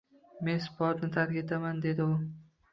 Men sportni tark etaman dedi u.